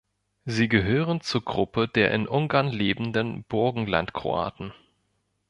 Sie gehören zur Gruppe der in Ungarn lebenden Burgenlandkroaten.